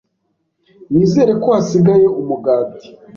Nizere ko hasigaye umugati.